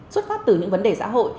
xuất phát từ những vấn đề xã hội